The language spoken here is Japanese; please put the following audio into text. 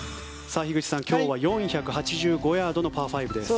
樋口さん、今日は４８５ヤードのパー５です。